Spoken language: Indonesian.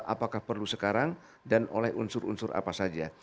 apakah perlu sekarang dan oleh unsur unsur apa saja